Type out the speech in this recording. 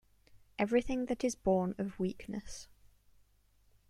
Everything that is born of weakness.